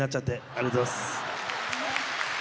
ありがとうございます。